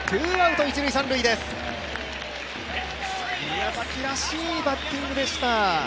宮崎らしいバッティングでした。